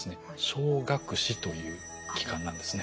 小顎髭という器官なんですね。